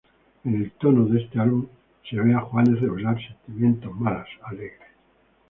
En el tono de este álbum se ve a Juanes revelar sentimientos más alegres.